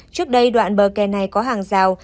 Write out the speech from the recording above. trước đây đoạn bờ kè này có hàng rào